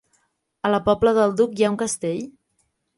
A la Pobla del Duc hi ha un castell?